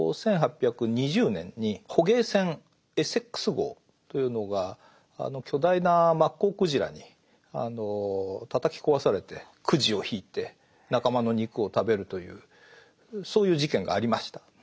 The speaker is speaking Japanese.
１８２０年に捕鯨船エセックス号というのが巨大なマッコウクジラにたたき壊されてくじを引いて仲間の肉を食べるというそういう事件がありました。